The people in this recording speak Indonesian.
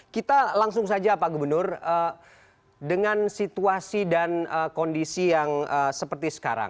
kita langsung saja pak gubernur dengan situasi dan kondisi yang seperti sekarang